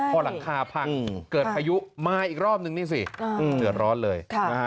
พอหลังคาพังเกิดพายุมาอีกรอบนึงนี่สิเดือดร้อนเลย